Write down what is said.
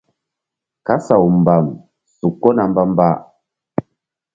Kasaw mbam su kona mbamba asaw.